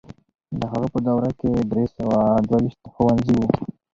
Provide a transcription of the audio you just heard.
د هغه په دوره کې درې سوه دوه ويشت ښوونځي وو.